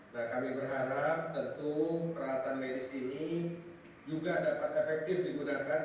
nah kami berharap tentu peralatan medis ini juga dapat efektif digunakan